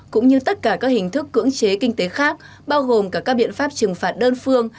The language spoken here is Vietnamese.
cũng như tất cả các hình thức cưỡng chế kinh tế khác bao gồm cả các biện pháp trừng phạt đơn phương